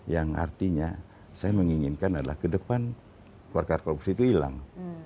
yang artinya saya menginginkan adalah ke depan warga korupsi itu hilang